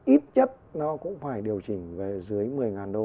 ít nhất nó cũng phải điều chỉnh dưới một mươi usd